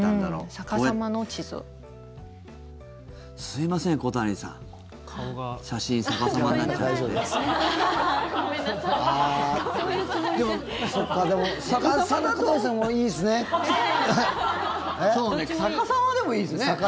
逆さまでもいいですね。